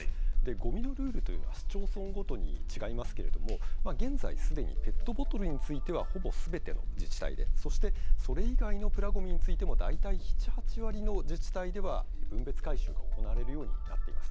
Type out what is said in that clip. ごみのルールというのは、市町村ごとに違いますけれども、現在すでに、ペットボトルについてはほぼすべての自治体で、そして、それ以外のプラごみについても、大体７、８割の自治体では、分別回収が行われるようになっています。